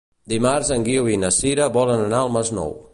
Dimarts en Guiu i na Sira volen anar al Masnou.